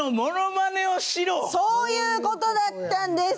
そういうことだったんです。